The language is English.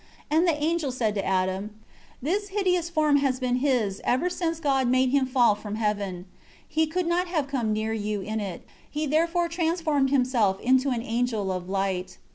14 And the angel said to Adam, "This hideous form has been his ever since God made him fall from heaven. He could not have come near you in it; he therefore transformed himself into an angel of light."